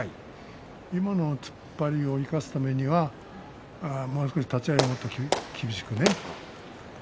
今の突っ張りを生かすためにはもう少し立ち合いを厳しくね。